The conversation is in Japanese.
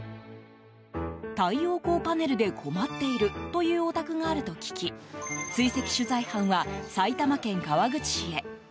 太陽光パネルで困っているというお宅があると聞き追跡取材班は、埼玉県川口市へ。